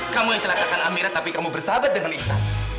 kamu yang celakakan amira tapi kamu bersahabat dengan lisa